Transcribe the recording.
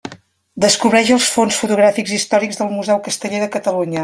Descobreix els fons fotogràfics històrics del Museu Casteller de Catalunya.